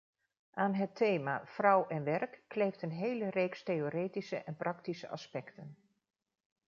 Aan het thema vrouw en werk kleeft een hele reeks theoretische en praktische aspecten.